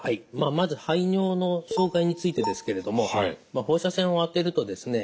まず排尿の障害についてですけれども放射線を当てるとですね